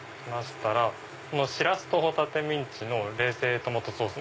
しらすとホタテミンチの冷製トマトソース。